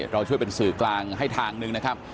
เราช่วยเป็นสื่อกลางให้ทางหนึ่งนะครับ